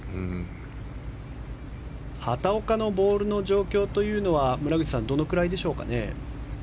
畑岡のボールの状況は村口さんどのくらいでしょうかね？